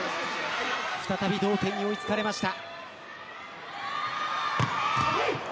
再び同点に追いつかれました。